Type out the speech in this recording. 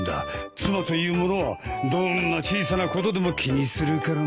妻というものはどんな小さなことでも気にするからな。